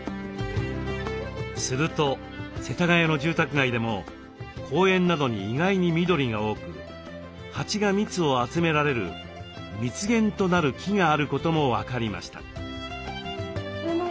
すると世田谷の住宅街でも公園などに意外に緑が多く蜂が蜜を集められる蜜源となる木があることも分かりました。